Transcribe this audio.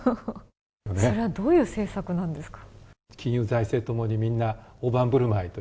それはどういう政策なんですか？